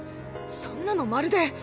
そんなのまるで。